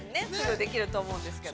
できると思うんですけど。